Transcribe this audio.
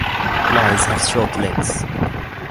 Lies have short legs.